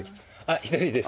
１人です。